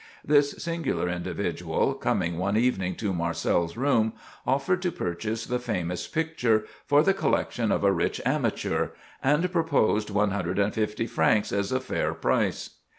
This singular individual, coming one evening to Marcel's room, offered to purchase the famous picture "for the collection of a rich amateur," and proposed one hundred and fifty francs as a fair price.